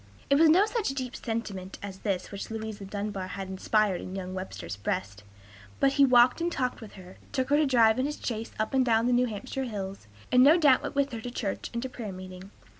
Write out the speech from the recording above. It was no such deep sentiment as this which Louisa Dunbar had inspired in young Webster's breast; but he walked and talked with her, took her to drive in his chaise up and down the New Hampshire hills, and no doubt went with her to church and to prayer meeting.